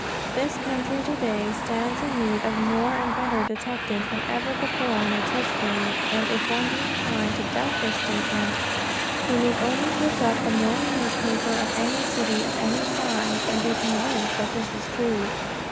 This country today stands in need of more and better detectives than ever before in its history, and if one be inclined to doubt this statement he need only pick up the morning newspaper of any city of any size and be convinced that this is true.